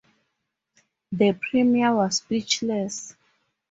The Premier was speechless.